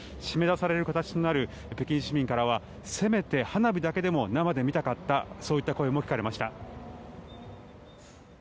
締め出される形となる北京市民からはせめて花火だけでも生で見たかったそういった声も聞かれました。